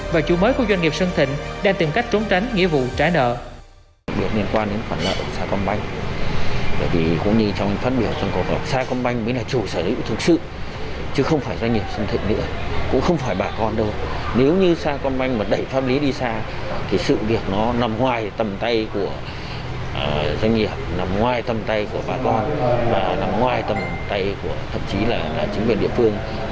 và chủ mới của doanh nghiệp sơn thịnh đang tìm cách trốn tránh nghĩa vụ trả nợ